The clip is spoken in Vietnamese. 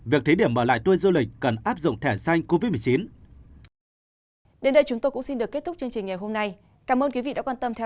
việc thí điểm mở lại tour du lịch cần áp dụng thẻ xanh covid một mươi chín